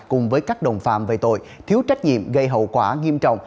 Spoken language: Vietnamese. cùng với các đồng phạm về tội thiếu trách nhiệm gây hậu quả nghiêm trọng